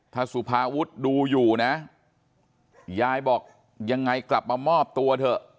ถ้าสุภาวุฒิดูอยู่นะยายบอกยังไงกลับมามอบตัวเถอะ